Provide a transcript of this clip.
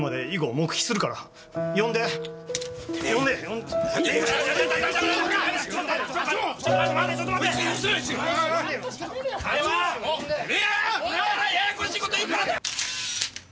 お前らがややこしい事言うからだよ！